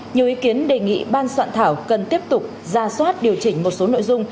nhiều ý kiến đề nghị ban soạn thảo cần tiếp tục ra soát điều chỉnh một số nội dung